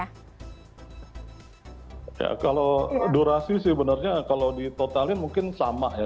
ya kalau durasi sih sebenarnya kalau ditotalin mungkin sama ya